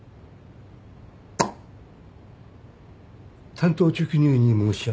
単刀直入に申し上げます。